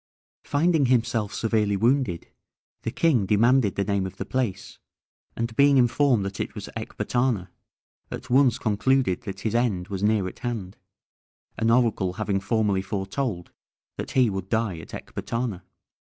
Finding himself severely wounded, the king demanded the name of the place, and being informed that it was Ecbatana, at once concluded that his end was near at hand, an oracle having formerly foretold that he would die at Ecbatana.